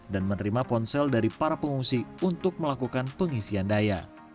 dan menerima ponsel dari para pengungsi untuk melakukan pengisian daya